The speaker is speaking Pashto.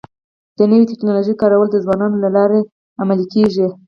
د نوې ټکنالوژۍ کارول د ځوانانو له لارې عملي کيږي.